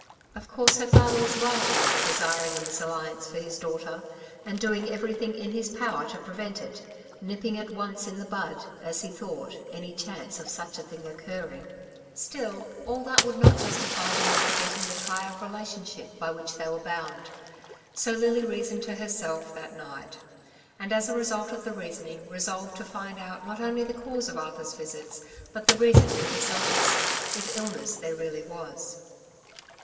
Of course her father was right in not desiring a misalliance for his daughter, and doing everything in his power to prevent it, nipping at once in the bud, as he thought, any chance of such a thing occurring. Still, all that would not justify The Marriage at Clinton Park. 209 them in forgetting the tie of relationship by which they were bound. So Lily reasoned to herself that night ; and as a result of the reasoning, resolved to find out not only the cause of Arthur^s visits, but the reason for his illness, if illness there really was.